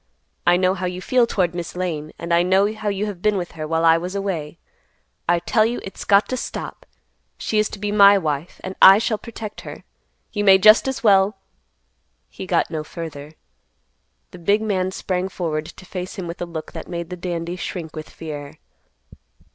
I know how you feel toward Miss Lane, and I know how you have been with her while I was away. I tell you it's got to stop. She is to be my wife, and I shall protect her. You may just as well—" He got no further. The big man sprang forward to face him with a look that made the dandy shrink with fear.